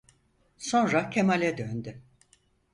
Sonra Kemal'e döndü.